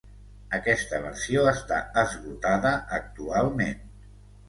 Aquesta versió està esgotada actualment.